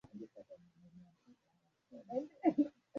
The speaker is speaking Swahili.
Walishinda zawadi kubwa kubwa